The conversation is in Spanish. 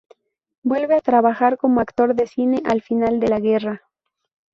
Vuelve a trabajar como actor de cine al final de la guerra.